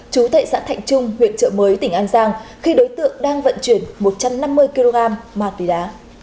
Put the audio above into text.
trú tại xã thạnh trung huyện chợ mới tỉnh an giang khi đối tượng đang vận chuyển một trăm năm mươi kg ma túy đá